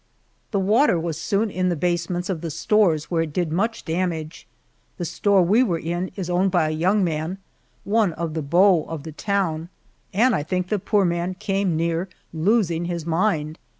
The water was soon in the basements of the stores, where it did much damage. The store we were in is owned by a young man one of the beaux of the town and I think the poor man came near losing his mind.